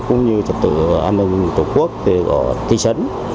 cũng như trật tự an ninh tổ quốc thị trấn